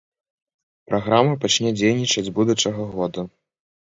Праграма пачне дзейнічаць з будучага года.